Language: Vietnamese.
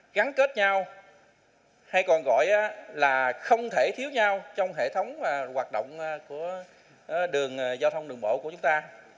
gắn kết nhau hay còn gọi là không thể thiếu nhau trong hệ thống hoạt động của đường giao thông đường bộ của chúng ta